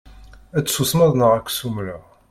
Ad tsusmeḍ neɣ ad k-ssumleɣ.